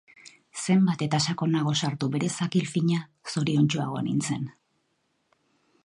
Zenbat eta sakonago sartu bere zakil fina, zoriontsuagoa nintzen.